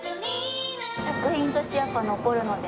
作品としてやっぱ残るので。